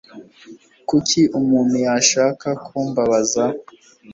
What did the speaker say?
Kuki umuntu yashaka kumbabaza?